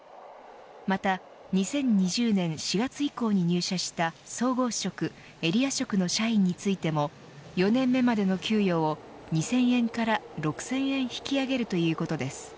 また２０２０年４月以降に入社した総合職、エリア職の社員についても４年目までの給与を２０００円から６０００円引き上げるということです。